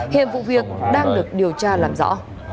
hiện vụ việc đang được điều tra làm rõ